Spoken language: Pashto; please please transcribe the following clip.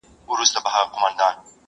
په موسكا او په تعظيم ورته ټگان سول!!